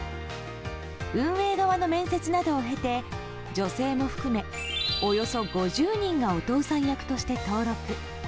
運営側の面接などを経て女性も含めおよそ５０人がお父さん役として登録。